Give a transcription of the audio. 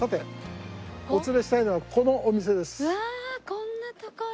こんな所に。